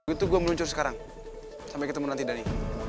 itu gua meluncur sekarang sampai ketemu nanti dani